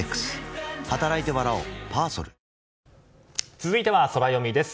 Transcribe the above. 続いてはソラよみです。